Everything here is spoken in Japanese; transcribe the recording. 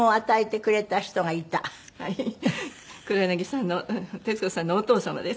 黒柳さんの徹子さんのお父様です。